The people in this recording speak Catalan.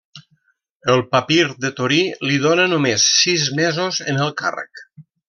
El papir de Torí li dóna només sis mesos en el càrrec.